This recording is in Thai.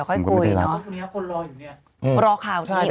อะเดี๋ยวค่อยพูดนะอย่างงี้คนรออยู่เนี่ยอืมรอข่าวนี้